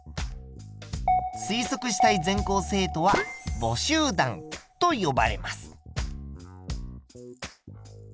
推測したい全校生徒は母集団と呼ばれます。